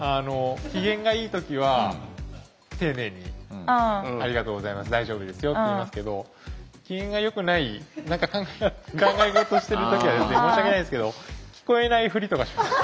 機嫌がいい時は丁寧に「ありがとうございます大丈夫ですよ」って言いますけど機嫌がよくない何か考え事してる時は申し訳ないですけど聞こえないふりとかします。